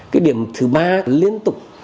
cái điểm thứ ba liên tục